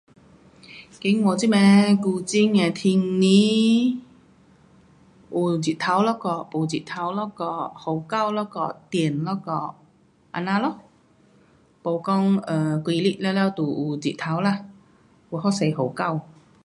今天这边古晋的天气有太阳一下，没太阳一下，雨到一下，电一下，这样咯，没讲 um 几日了了都有太阳啦，有好多雨到。